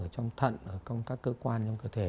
trong thận ở các cơ quan trong cơ thể